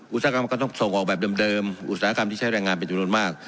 อุตสาหกรรมก็ต้องส่งออกแบบเดิมอุตสาหกรรมที่ใช้แรงงานเป็นจำนวนมาก